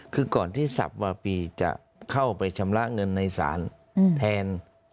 คือก่อนที่สับวาปีจะเข้าไปชำระเงินในศาลแทน